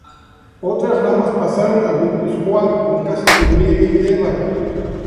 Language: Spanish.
Otras ramas pasaron a Guipúzcoa, con casas en Urnieta y Deva.